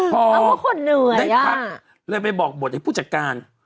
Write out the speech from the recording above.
พอได้พักแล้วไปบอกบทไอ้ผู้จัดการ